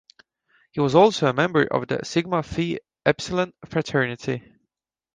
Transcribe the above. He was also a member of the Sigma Phi Epsilon fraternity.